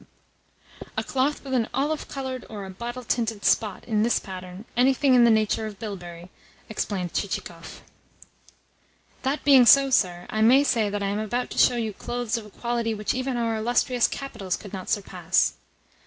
"A cloth with an olive coloured or a bottle tinted spot in its pattern anything in the nature of bilberry," explained Chichikov. "That being so, sir, I may say that I am about to show you clothes of a quality which even our illustrious capitals could not surpass.